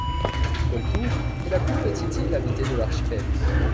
Koltur est la plus petite île habitée de l'archipel.